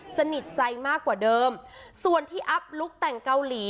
สนิทใจมากกว่าเดิมส่วนที่อัพลุคแต่งเกาหลี